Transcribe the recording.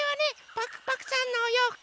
パクパクさんのおようふく。